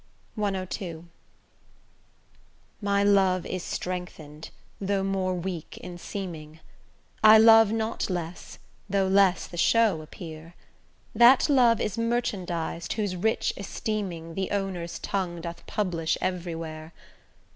CII My love is strengthen'd, though more weak in seeming; I love not less, though less the show appear; That love is merchandiz'd, whose rich esteeming, The owner's tongue doth publish every where.